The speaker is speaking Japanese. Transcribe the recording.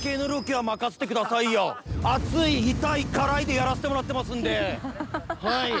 熱い痛い辛いでやらせてもらってますんではい。